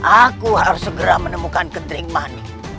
aku harus segera menemukan ketring manik